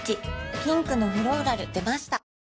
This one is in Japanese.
ピンクのフローラル出ました